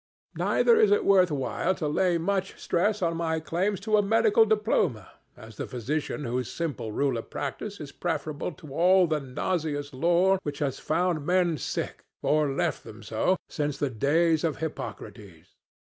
Neither is it worth while to lay much stress on my claims to a medical diploma as the physician whose simple rule of practice is preferable to all the nauseous lore which has found men sick, or left them so, since the days of Hippocrates.